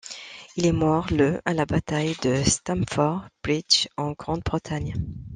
Il est mort le à la bataille de Stamford Bridge, en Grande-Bretagne.